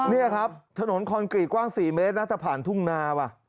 นี่ครับถนนคอนกรีตกว้าง๔เมตรนะแต่ผ่านทุ่งนาว่ะ